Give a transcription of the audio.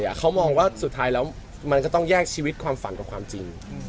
ถ้าใครที่ดูอยู่แล้วสนใจผู้หญิงที่ชื่อสกุลตราติดต่อตุ๊มมาได้หมดเธอ